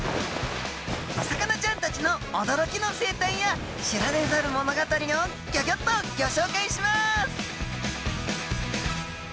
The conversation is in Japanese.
お魚ちゃんたちの驚きの生態や知られざるモノガタリをギョギョッとギョ紹介します！